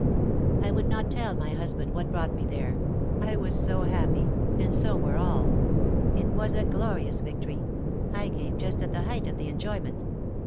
"I would not tell my husband what brought me there. I was so happy; and so were all! It was a glorious victory; I came just at the height of the enjoyment.